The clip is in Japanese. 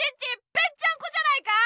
ぺっちゃんこじゃないか！